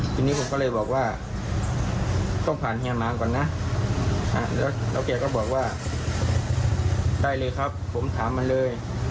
ทีนี้ผมก็เลยบอกว่าต้องผ่านเฮียหมาก่อนนะแล้วแกก็บอกว่าได้เลยครับผมถามมันเลย